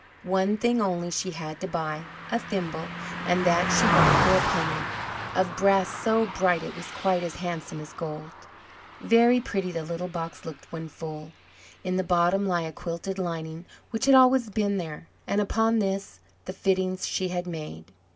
One thing only she had to buy a thimble, and that she bought for a penny, of brass so bright it was quite as handsome as gold. Very pretty the little box looked when full; in the bottom lay a quilted lining, which had always been there, and upon this the fittings she had made.